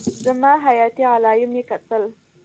زما حياتي علايم يې کتل.